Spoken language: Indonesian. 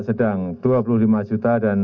sedang dua puluh lima juta dan